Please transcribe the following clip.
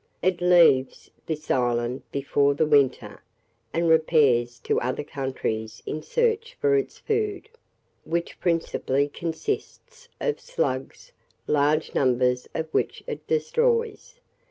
It leaves this island before the winter, and repairs to other countries in search of its food, which principally consists of slugs, large numbers of which it destroys.